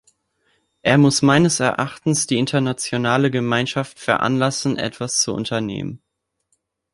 Er muss meines Erachtens die internationale Gemeinschaft veranlassen, etwas zu unternehmen.